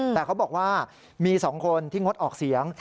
แต่เขาบอกว่ามี๒คนที่งดออกเสียง